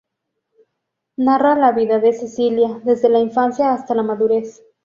Narra la vida de Cecilia desde la infancia hasta la madurez.